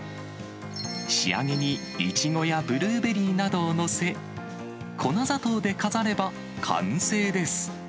仕上げにイチゴやブルーベリーなどを載せ、粉砂糖で飾れば完成です。